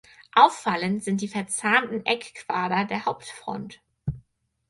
Auffallend sind die verzahnten Eckquader der Hauptfront.